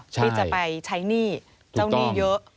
ที่จะไปใช้หนี้เจ้าหนี้เยอะ